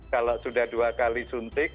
kalau sudah dua kali suntik